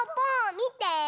みて！